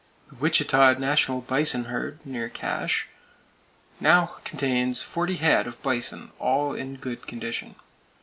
The Wichita National Bison herd, near Cache, now contains forty head of bison, all in good condition.